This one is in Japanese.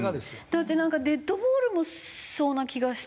だってなんかデッドボールもそうな気がして。